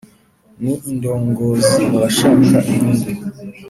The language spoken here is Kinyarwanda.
ndi indongozi mu bashaka inyungu,